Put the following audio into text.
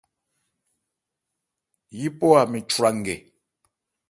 Yípɔ-a mɛn chwra nkɛ.